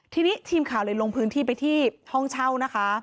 ทีนี้ทีมข่าวเลยลงพื้นที่ไปที่ห้องเช่านะคะ